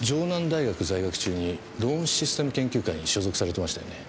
大学在学中にローンシステム研究会に所属されてましたよね？